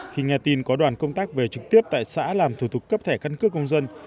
khi nghe tin có đoàn công tác về trực tiếp tại xã làm thủ tục cấp thẻ căn cước công dân